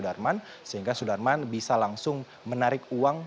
dimana pembeli yang sudah membeli tanah daripada sudarman sudah menyerahkan uang